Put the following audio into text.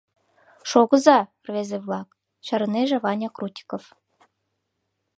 — Шогыза, рвезе-влак, — чарынеже Ваня Крутиков.